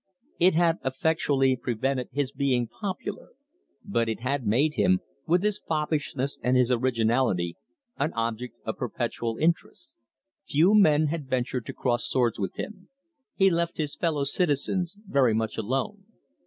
It had effectually prevented his being popular, but it had made him with his foppishness and his originality an object of perpetual interest. Few men had ventured to cross swords with him. He left his fellow citizens very much alone.